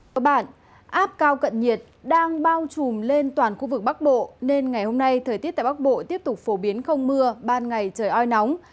và bạn áp cao cận nhiệt đang bao trùm lên toàn khu vực bắc bộ nên ngày hôm nay thời tiết tại bắc bộ tiếp tục phổ biến không mưa ban ngày trời oi nóng